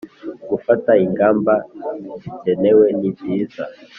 gufata ingamba zikenewe nibyiza